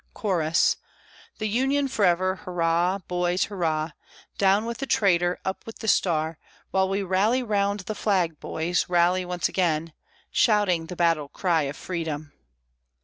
Chorus The Union forever, hurrah! boys, hurrah! Down with the traitor, up with the star, While we rally round the flag, boys, rally once again, Shouting the battle cry of freedom.